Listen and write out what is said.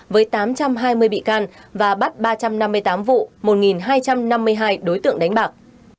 với tám trăm hai mươi bị can và bắt ba trăm năm mươi tám vụ một hai trăm năm mươi hai đối tượng đánh bạc